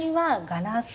ガラス。